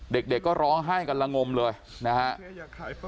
เด็กก็ร้องไห้กันละงมเลยนะครับ